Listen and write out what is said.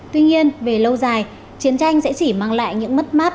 tuy nhiên về lâu dài chiến tranh sẽ chỉ mang lại những mất mát